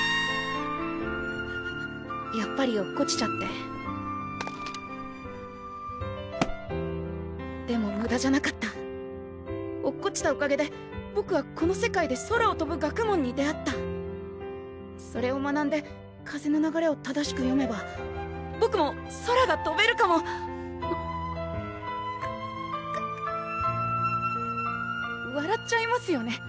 やっぱり落っこちちゃってでもむだじゃなかった落っこちたおかげでボクはこの世界で空をとぶ学問に出会ったそれを学んで風の流れを正しく読めばボクも空がとべるかもわらっちゃいますよね